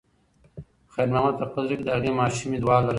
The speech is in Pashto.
خیر محمد په خپل زړه کې د هغې ماشومې دعا لرله.